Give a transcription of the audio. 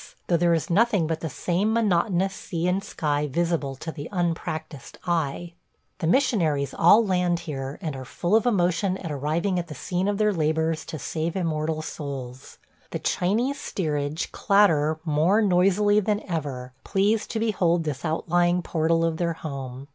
though there is nothing but the same monotonous sea and sky visible to the unpractised eye. The missionaries all land here, and are full of emotion at arriving at the scene of their labors to save immortal souls. The Chinese steerage clatter more noisily than ever, pleased to behold this outlying portal of their home.